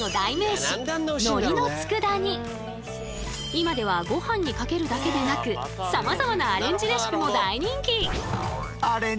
今ではごはんにかけるだけでなくさまざまなアレンジレシピも大人気！